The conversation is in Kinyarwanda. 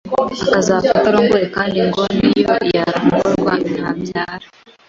akazapfa atarongowe kandi ngo niyo yarongorwa ntabyara